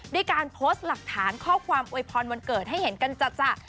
ด้วยการโพสต์หลักฐานข้อความอวยพรวันเกิดให้เห็นกันจัด